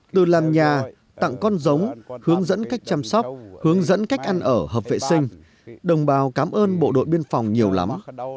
từ làm nhà tặng con giống hướng dẫn cách chăm sóc hướng dẫn cách ăn ở hợp vệ sinh đồng bào cảm ơn bộ đội biên phòng nhiều lắm